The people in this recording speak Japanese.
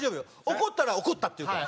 怒ったら「怒った」って言うから。